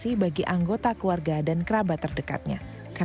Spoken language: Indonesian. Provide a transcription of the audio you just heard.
di indonesia harus berubah menjadi ricoh yang menyadari